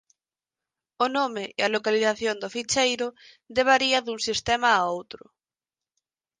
O nome e a localización do ficheiro de varía dun sistema a outro.